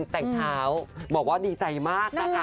แต่งเช้าบอกว่าดีใจมากนะคะ